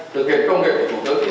so với cùng thực hiện